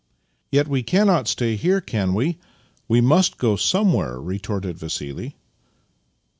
" Yet we cannot stay here, can we? We must go sojnewhere," retorted Vassili.